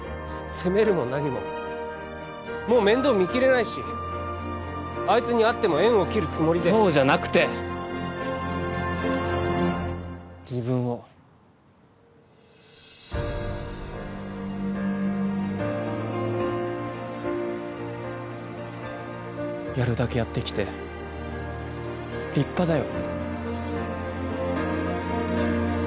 責めるも何ももう面倒見きれないしあいつに会っても縁を切るつもりでそうじゃなくて自分をやるだけやってきて立派だよ